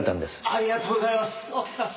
ありがとうございます奥さん。